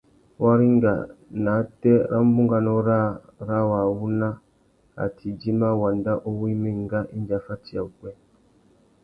Waringa nātê râ bunganô râā râ wa wuna a tà idjima wanda uwú i mà enga indi a fatiya upwê.